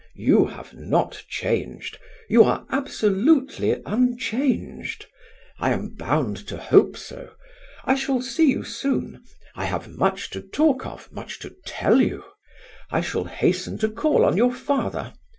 You have not changed. You are absolutely unchanged. I am bound to hope so. I shall see you soon. I have much to talk of, much to tell you. I shall hasten to call on your father.